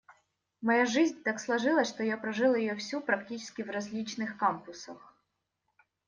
Моя жизнь так сложилась, что я прожил ее всю практически в различных кампусах.